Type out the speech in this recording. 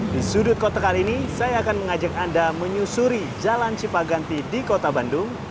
di sudut kota kali ini saya akan mengajak anda menyusuri jalan cipaganti di kota bandung